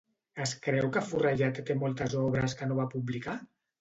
Es creu que Forrellad té moltes obres que no va publicar?